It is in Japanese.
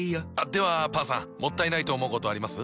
ではパンさんもったいないと思うことあります？